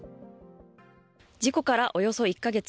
事故からおよそ１か月。